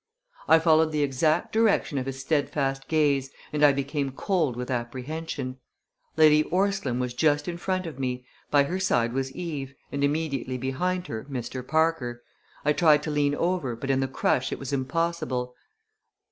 I followed the exact direction of his steadfast gaze and I became cold with apprehension. Lady Orstline was just in front of me; by her side was Eve, and immediately behind her Mr. Parker, I tried to lean over, but in the crush it was impossible.